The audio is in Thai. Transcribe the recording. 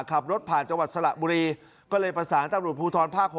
ขับรถผ่านจังหวัดสระบุรีก็เลยประสานตำรวจภูทรภาค๖